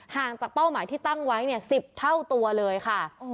ห่างจากเป้าหมายที่ตั้งไว้๑๐เท่าตัวเลยค่ะ